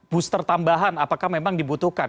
booster tambahan apakah memang dibutuhkan